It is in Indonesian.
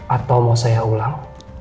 atau mau saya ulang